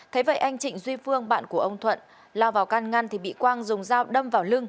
thế vậy anh trịnh duy phương bạn của ông thuận lao vào can ngăn thì bị quang dùng dao đâm vào lưng